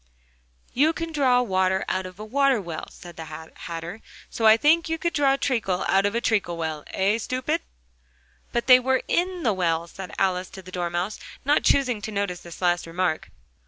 "You can draw water out of a water well," said the Hatter; "so I should think you could draw treacle out of a treacle well eh stupid?" "But they were in the well," Alice said to the Dormouse, not choosing to notice this last remark.